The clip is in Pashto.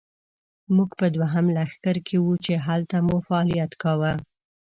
موږ په دوهم لښکر کې وو، چې هلته مو فعالیت کاوه.